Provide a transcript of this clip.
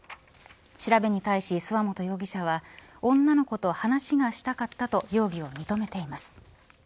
調べに対し諏訪本容疑者は女の子と話がしたかったと容疑を認めています。